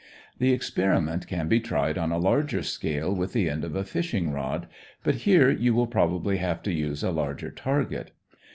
The experiment can be tried on a larger scale with the end of a fishing rod, but here you will probably have to use a larger target.